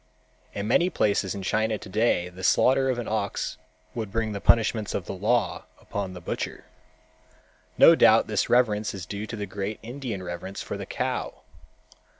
In many places in China today the slaughter of an ox would bring the punishments of the law upon the butcher. No doubt this reverence is due to the great Indian reverence for the cow.